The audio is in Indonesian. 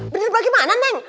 bener bagaimana neng